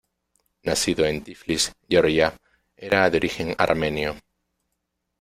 Nacido en Tiflis, Georgia, era de origen armenio.